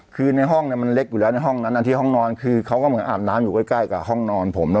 คือในห้องมันเล็กอยู่แล้วในห้องนั้นที่ห้องนอนคือเขาก็เหมือนอาบน้ำอยู่ใกล้กับห้องนอนผม